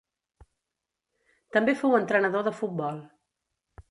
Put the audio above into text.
També fou entrenador de futbol.